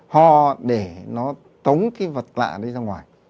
ho để nó tống cái vật lạ đấy ra ngoài